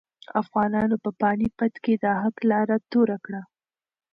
افغانانو په پاني پت کې د حق لاره توره کړه.